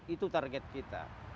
itu target kita